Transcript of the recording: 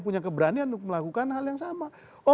punya keberanian untuk melakukan hal yang sama